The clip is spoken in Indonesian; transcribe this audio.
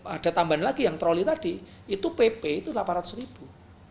ada tambahan lagi yang troli tadi itu pp itu delapan ratus ribu